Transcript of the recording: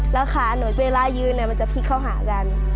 แล้วข้าหนูเวลายืนจะพีทเข้าหากัน